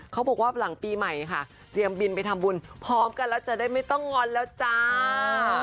เขาบอกว่าหลังปีใหม่ค่ะเตรียมบินไปทำบุญพร้อมกันแล้วจะได้ไม่ต้องงอนแล้วจ้า